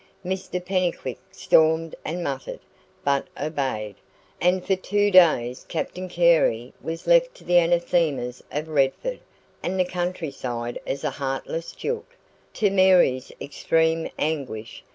Mr Pennycuick stormed and muttered, but obeyed; and for two days Captain Carey was left to the anathemas of Redford and the countryside as a heartless jilt, to Mary's extreme anguish.